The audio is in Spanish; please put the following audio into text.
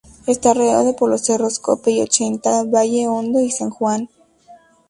Está rodeado por los cerros Copey, Ochenta, Valle Hondo y San Juan.